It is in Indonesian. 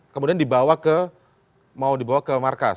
kemudian dibawa ke mau dibawa ke markas